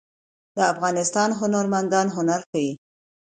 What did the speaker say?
د افغانستان هنرمندان هنر ښيي